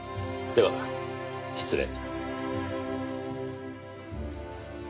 では失礼。